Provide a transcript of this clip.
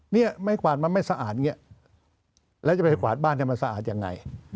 เนี่ยไม้กวาดมันไม่สะอาดอย่างนี้แล้วจะไปกวาดบ้านให้มันสะอาดยังไง